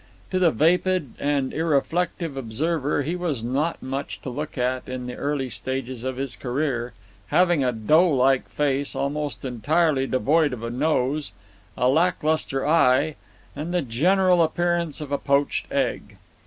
To the vapid and irreflective observer he was not much to look at in the early stages of his career, having a dough like face almost entirely devoid of nose, a lack lustre eye, and the general appearance of a poached egg.